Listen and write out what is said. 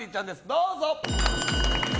どうぞ。